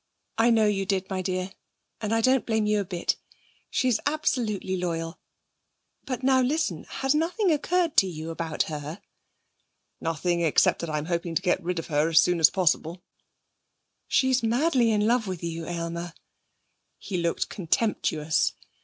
'I know you did, my dear, and I don't blame you a bit. She's absolutely loyal. But now, listen. Has nothing occurred to you about her?' 'Nothing, except that I'm hoping to get rid of her as soon as possible.' 'She's madly in love with you, Aylmer.' He looked contemptuous.